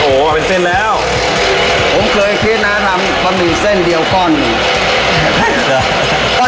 โอ้โหเป็นเส้นแล้วผมเคยคิดนะทำบะหมี่เส้นเดียวก้อนหนึ่ง